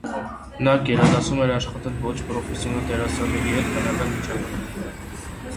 Նա գերադասում էր աշխատել ոչ պրոֆեսիոնալ դերասանների հետ, բնական միջավայրում։